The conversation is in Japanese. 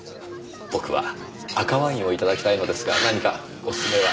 僕は赤ワインをいただきたいのですが何かおすすめは？